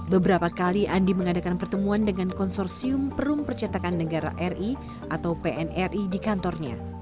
beberapa kali andi mengadakan pertemuan dengan konsorsium perum percetakan negara ri atau pnri di kantornya